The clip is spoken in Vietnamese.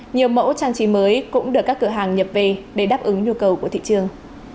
nhiều mẫu trang trí mới cũng được các cửa hàng nhập về để đáp ứng nhu cầu của thị trường